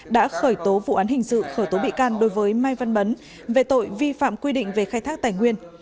đã khởi tố vụ án hình sự khởi tố bị can đối với mai văn bấn về tội vi phạm quy định về khai thác tài nguyên